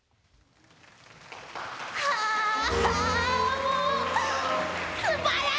もう素晴らしい！